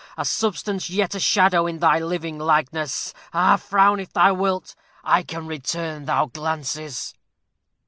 A substance yet a shadow, in thy living likeness. Ha frown if thou wilt; I can return thy glances."